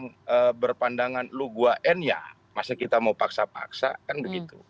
kalau berpandangan lu gua end ya masa kita mau paksa paksa kan begitu